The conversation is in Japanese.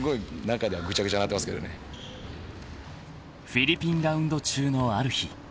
［フィリピンラウンド中のある日］